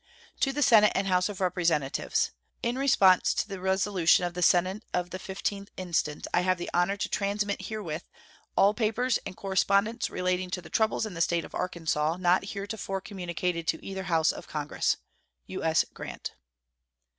To the Senate and House of Representatives: In response to the resolution of the Senate of the 15th instant, I have the honor to transmit herewith "all papers and correspondence relating to the troubles in the State of Arkansas not heretofore communicated to either House of Congress." U.S. GRANT.